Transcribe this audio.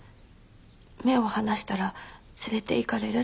目を離したら連れていかれるって。